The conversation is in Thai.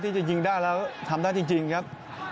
ที่จะยิงได้แล้วทำได้จริงครับ